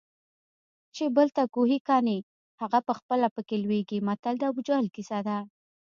چې بل ته کوهي کني هغه پخپله پکې لویږي متل د ابوجهل کیسه ده